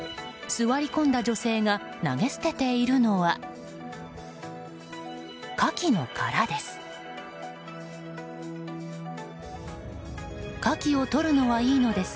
座り込んだ女性が投げ捨てているのはカキの殻です。